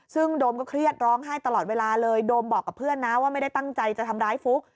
ซึ่งโดมก็เครียดร้องไห้ตลอดเวลาเลยโดมบอกกับเพื่อนนะว่าไม่ได้ตั้งใจจะทำร้ายฟุ๊ก